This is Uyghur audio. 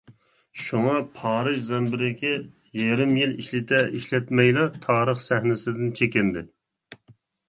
شۇڭا، «پارىژ زەمبىرىكى» يېرىم يىل ئىشلىتە-ئىشلەتمەيلا، تارىخ سەھنىسىدىن چېكىندى.